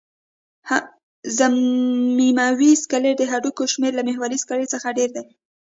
ضمیموي سکلېټ د هډوکو شمېر له محوري سکلېټ څخه ډېر دی.